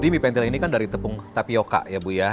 mie pentil ini kan dari tepung tapioca ya bu ya